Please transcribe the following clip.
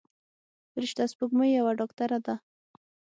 فرشته سپوږمۍ یوه ډاکتره ده.